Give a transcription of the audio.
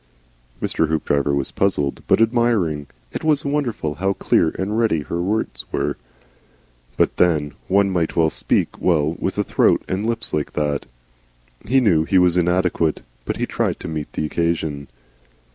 Mr. Hoopdriver was puzzled, but admiring. It was wonderful how clear and ready her words were. But then one might speak well with a throat and lips like that. He knew he was inadequate, but he tried to meet the occasion.